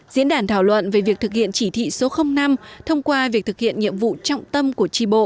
diễn đàn thảo luận về việc thực hiện chỉ thị số năm thông qua việc thực hiện nhiệm vụ trọng tâm của tri bộ